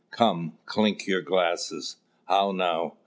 Come, clink your glasses. How now?